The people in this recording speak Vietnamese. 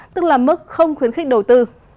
tức là mức không khuyến khích đầu tư